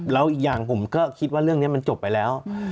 แล้วอีกอย่างผมก็คิดว่าเรื่องนี้มันจบไปแล้ว